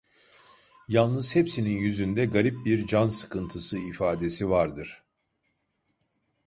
Yalnız hepsinin yüzünde garip bir can sıkıntısı ifadesi vardır.